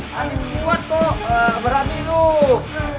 sudah kuat kok berani dong